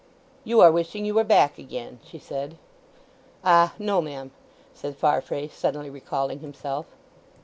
"You are wishing you were back again," she said. "Ah, no, ma'am," said Farfrae, suddenly recalling himself.